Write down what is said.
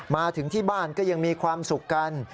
มาถึงที่บ้านก็ยังมีความสุขกัน